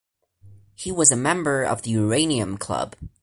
He was a member of the Uranium Club.